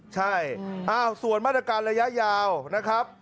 ใช่ส่วนมาตรการระยะยาวนะครับ